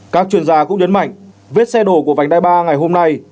các chuyên gia cũng nhấn mạnh vết xe đổ của vành đai ba ngày hôm nay